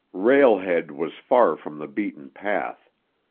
Rail Head was far from the beaten path.